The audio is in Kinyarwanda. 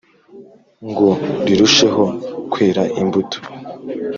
Ngo rirusheho kwera imbuto